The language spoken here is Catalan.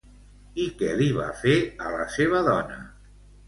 I què li va fer a la seva dona?